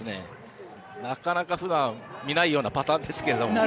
なかなかふだん見ないようなパターンですけど。